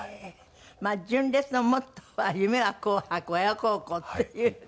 純烈のモットーは「夢は『紅白』親孝行」っていう。